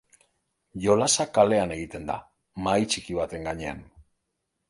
Jolasa kalean egiten da, mahai txiki baten gainean.